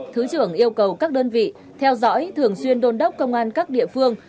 thứ trưởng yêu cầu các đơn vị theo dõi thường xuyên đôn đốc công an các địa phương